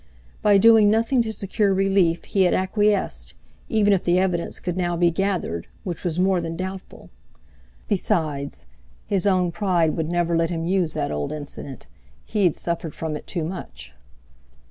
By doing nothing to secure relief he had acquiesced, even if the evidence could now be gathered, which was more than doubtful. Besides, his own pride would never let him use that old incident, he had suffered from it too much.